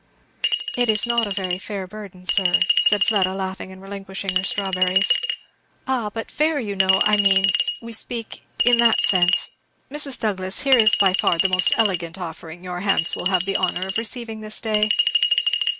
"It is not a very fair burden, sir," said Fleda, laughing and relinquishing her strawberries. "Ah but, fair, you know, I mean, we speak in that sense Mrs Douglass, here is by far the most elegant offering that your hands will have the honour of receiving this day."